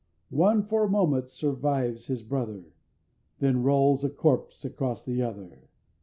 One for a moment survives his brother, Then rolls a corpse across the other!